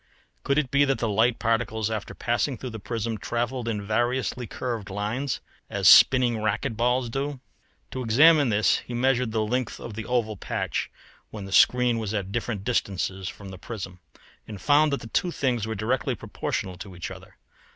Could it be that the light particles after passing through the prism travelled in variously curved lines, as spinning racquet balls do? To examine this he measured the length of the oval patch when the screen was at different distances from the prism, and found that the two things were directly proportional to each other.